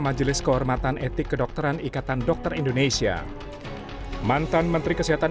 majelis kehormatan etik kedokteran ikatan dokter indonesia mantan menteri kesehatan